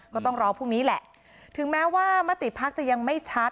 ก็ต้องรอพรุ่งนี้แหละถึงแม้ว่ามติภักดิ์จะยังไม่ชัด